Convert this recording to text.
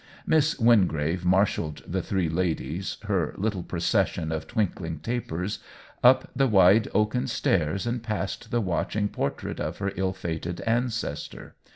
Miss Wingrave marshalled the three 208 OWEN WINGRAVE ladies — her little procession of twinkling tapers — up the wide oaken stairs and past the watching portrait of her ill fated ances tor.